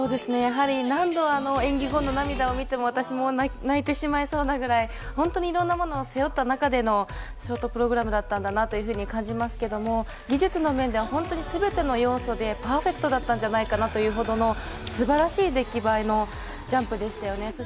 やはり何度、演技後の涙を見ても私も泣いてしまいそうなくらい本当にいろんなものを背負った中でのショートプログラムだったんだなと感じますけれども、技術の面では本当に全ての要素でパーフェクトだったんじゃないかというほどのすばらしい出来栄えのジャンプでしたよね。